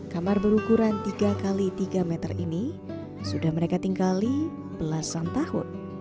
kamar berukuran tiga x tiga meter ini sudah mereka tinggali belasan tahun